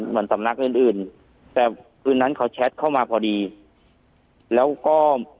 เหมือนสำนักอื่นอื่นแต่คืนนั้นเขาแชทเข้ามาพอดีแล้วก็